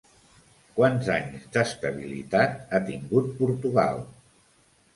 Quants anys d'estabilitat ha tingut Portugal?